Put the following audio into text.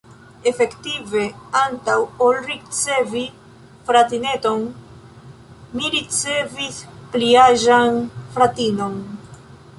Efektive, antaŭ ol ricevi fratineton, mi ricevis pliaĝan fratinon!